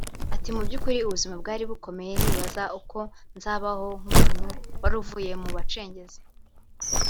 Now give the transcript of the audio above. Ati “Mu by’ukiri ubuzima bwari bukomeye nibaza uko nzabaho nk’umuntu waruvuye mu bacengezi